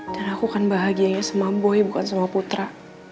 dan aku kan bahagianya sama boy bukan sama putra